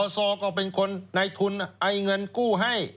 ซอก็เป็นคนในทุนไอเงินกู้ให้